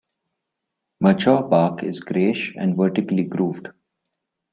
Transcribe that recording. Mature bark is grayish and vertically grooved.